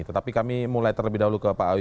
tetapi kami mulai terlebih dahulu ke pak awi